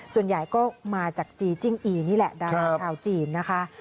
ส่วนใหญ่ก็มาจากจีจิ้งอีนี่แหละดาราชาวจีนนะคะ